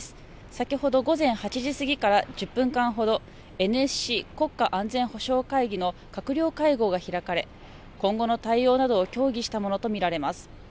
先ほど午前８時過ぎから１０分間ほどＮＳＣ・国家安全保障会議の閣僚会合が開かれ、今後の対応などを協議したものと見られます。